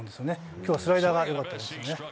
きょうはスライダーが良かったですよね。